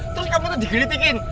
terus kamu tuh digelitikin